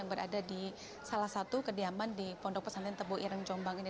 yang berada di salah satu kediaman di pondok pesantren tebu ireng jombang ini